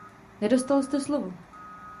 Nedostal jste slovo.